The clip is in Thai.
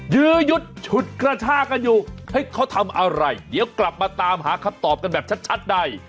ยื้อยุดฉุดกระชากันอยู่เฮ้ยเขาทำอะไรเดี๋ยวกลับมาตามหาคำตอบกันแบบชัดใน